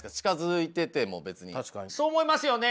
そう思いますよね。